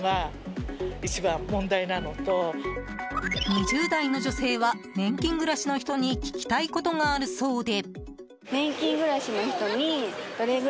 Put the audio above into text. ２０代の女性は年金暮らしの人に聞きたいことがあるそうで。